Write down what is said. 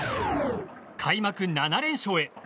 開幕７連勝へ。